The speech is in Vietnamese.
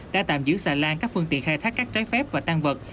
đã tạm giữ xà lan các phương tiện khai thác các trái phép và tan vật